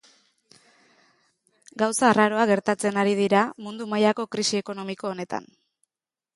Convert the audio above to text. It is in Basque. Gauza arraroak gertatzen ari dira mundu mailako krisi ekonomiko honetan.